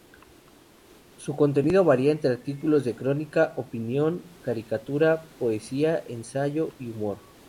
Su contenido varía entre artículos de crónica, opinión, caricatura, poesía, ensayo y humor.